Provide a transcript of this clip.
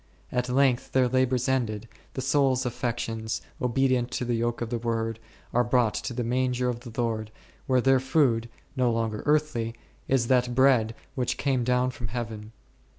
At length, their labours ended, the soul's affections, obedient to the yoke of the Word, are brought to the manger of the Lord, where their food, no longer earthly, is that Bread which came down from Heaven.